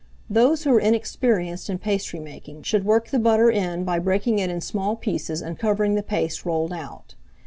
Those who are inexperienced in pastry making, should work the butter in by breaking it in small pieces and covering the paste rolled out.